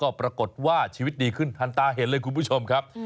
ก็ปรากฏว่าชีวิตดีขึ้นทันตาเห็นเลยคุณผู้ชมครับ